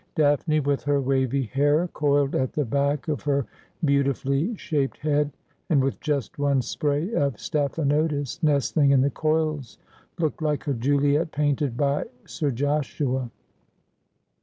Daphne, with her wavy hair coiled at the back of her beautifully shaped head, and with just one spray of stephanotis nestling in the coils, looked like a Juliet painted by Sir Joshua.